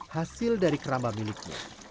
mencari keramba miliknya